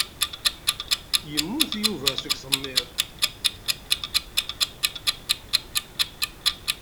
Yemmut Yuba seg usemmiḍ.